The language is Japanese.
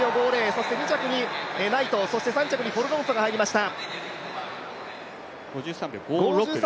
そして２着にナイト、３着にフォロルンソが入りました。